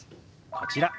こちら。